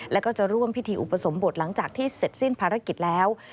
แล้วก็จะร่วมพิธีอุปสมบทหลังจากที่เสร็จสิ้นภารกิจแล้ว